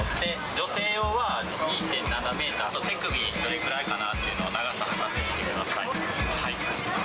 女性用は２．７メーターと手首、どれくらいかなっていうのを、長さ測ってみてください。